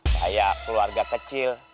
kayak keluarga kecil